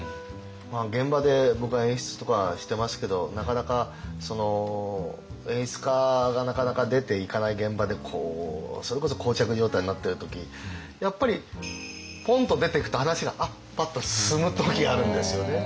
現場で僕は演出とかしてますけど演出家がなかなか出ていかない現場でそれこそ膠着状態になってる時やっぱりポンと出てくと話がパッと進む時があるんですよね。